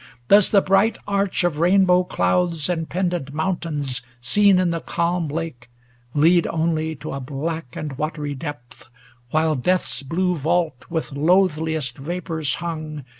Does the bright arch of rain bow clouds And pendent mountains seen in the calm lake Lead only to a black and watery depth, While death's blue vault with loathliest vapors hung.